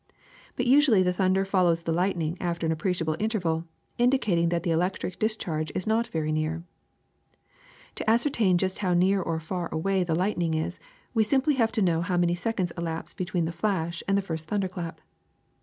But usually the thunder follows the lightning after an appreciable interval, indicating that the electric dis charge is not very near. *^ To ascertain just how near or how far away the lightning is, we simply have to know how many sec onds elapse between the flash and the first thunder clap.